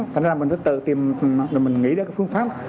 thành ra mình phải tự tìm mình nghĩ ra phương pháp